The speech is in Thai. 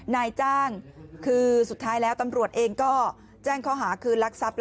นายจ้างคือสุดท้ายแล้วตำรวจเองก็แจ้งข้อหาคือรักทรัพย์